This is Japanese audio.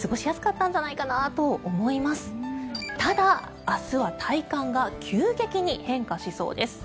ただ、明日は体感が急激に変化しそうです。